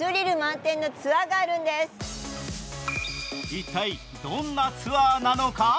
一体どんなツアーなのか？